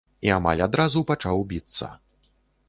І амаль адразу пачаў біцца.